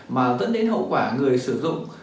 mà tẫn đến hậu quả người sử dụng